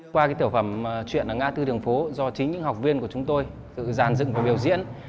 qua tiểu phẩm chuyện ở ngã tư đường phố do chính những học viên của chúng tôi giàn dựng và biểu diễn